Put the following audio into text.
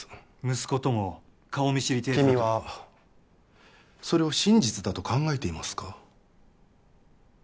息子とも顔見知り程度君はそれを真実だと考えていますか？